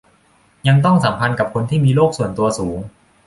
ยังต้องสัมพันธ์กับคนที่มีโลกส่วนตัวสูง